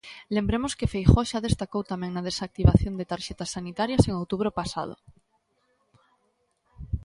Lembremos que Feijóo xa destacou tamén na desactivación de tarxetas sanitarias en outubro pasado.